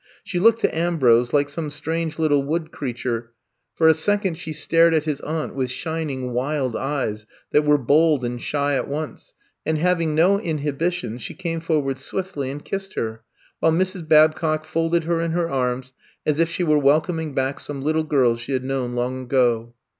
She looked to Ambrose like some strange little wood creature 84 I'VE COME TO STAY For a second she stared at his aunt, with shining, wild eyes that were bold and shy at once, and having no inhibitions, she came forward swiftly and kissed her, while Mrs. Babcock folded her in her arms as if she were welcoming back some little girl she had known long ago.